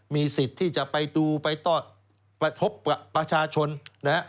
มีสิทธิ์ที่จะไปดูไปตอบประชาชน